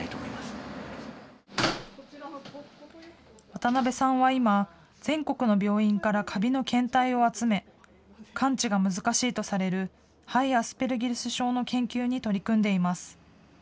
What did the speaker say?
渡邉さんは今、全国の病院からカビの検体を集め、完治が難しいとされる肺アスペルギルス症の研究に取り組んでいます。